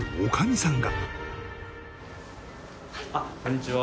あっこんにちは。